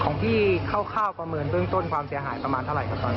ของพี่คร่าวประเมินเบื้องต้นความเสียหายประมาณเท่าไหร่ครับตอนนี้